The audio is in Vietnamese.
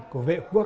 của vệ quốc